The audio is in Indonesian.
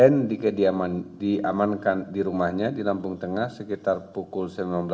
n diamankan di rumahnya di lampung tengah sekitar pukul sembilan belas